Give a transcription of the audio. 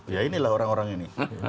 ya inilah orang orang ini